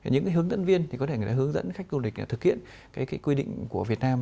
những hướng dẫn viên thì có thể hướng dẫn khách du lịch thực hiện quy định của việt nam